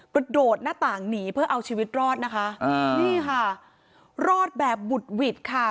กระโดดหน้าต่างหนีเพื่อเอาชีวิตรอดนะคะอ่านี่ค่ะรอดแบบบุดหวิดค่ะ